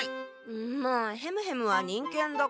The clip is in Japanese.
まあヘムヘムは忍犬だから。